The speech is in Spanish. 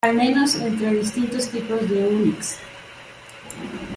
Al menos entre distintos tipos de Unix.